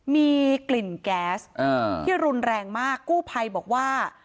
มีกลิ่นแก๊สที่รุนแรงมากกู้ภัยบอกว่า